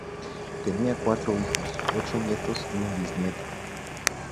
Tenía cuatro hijos, ocho nietos y un bisnieto.